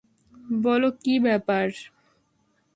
বলো, কী ব্যাপার?